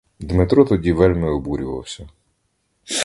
Дмитро тоді вельми обурювався.